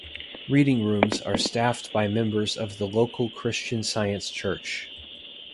Reading rooms are staffed by members of the local Christian Science church.